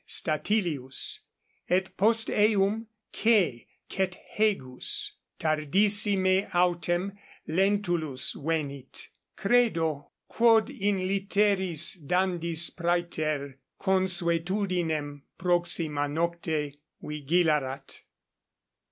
Statilius et post eum C. Cethegus; tardissime autem Lentulus venit, credo, quod in litteris dandis praeter consuetudinem proxima nocte vigilarat.